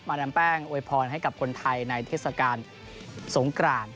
ดามแป้งอวยพรให้กับคนไทยในเทศกาลสงกราน